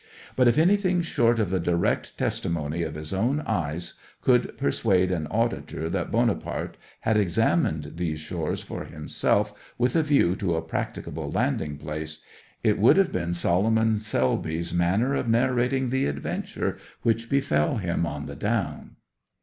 But if anything short of the direct testimony of his own eyes could persuade an auditor that Bonaparte had examined these shores for himself with a view to a practicable landing place, it would have been Solomon Selby's manner of narrating the adventure which befell him on the down.